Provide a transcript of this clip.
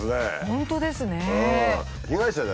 本当ですね。